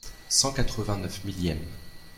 Cent quatre-vingt-neuf millième.